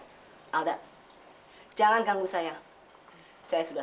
warum jadi energi agar jangan merangkul abang itu ya